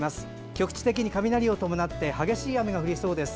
局地的に雷を伴って激しい雨が降りそうです。